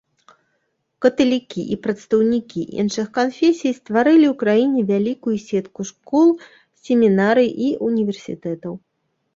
Каталікі і прадстаўнікі іншых канфесій стварылі ў краіне вялікую сетку школ, семінарый і універсітэтаў.